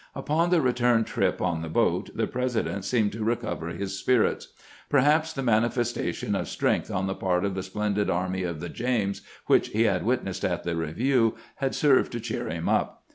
Upon the return trip on the boat, the President seemed to recover his spirits. Perhaps the manifestation of strength on the part of the splendid Army of the James which he had witnessed at the review had served to cheer him up.